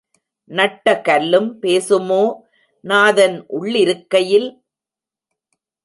நட்ட கல்லும் பேசுமோ நாதன் உள்ளிருக்கையில்?